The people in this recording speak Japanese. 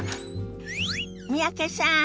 三宅さん